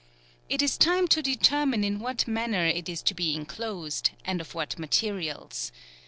It is time to determine in what manner it is to be inclos ed, and of what materials.